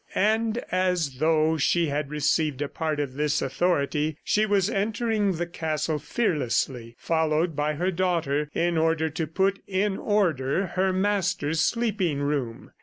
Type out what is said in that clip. And as though she had received a part of this authority, she was entering the castle fearlessly, followed by her daughter, in order to put in order her master's sleeping room.